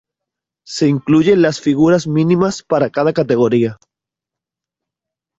Se incluyen las figuras mínimas para cada categoría.